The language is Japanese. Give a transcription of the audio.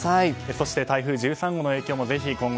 そして台風１３号の影響も今後